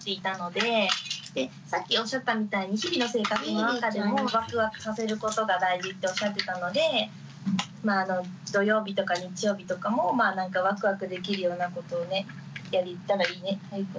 でさっきおっしゃったみたいに日々の生活の中でもワクワクさせることが大事っておっしゃってたので土曜日とか日曜日とかもなんかワクワクできるようなことをねやれたらいいねはゆくん。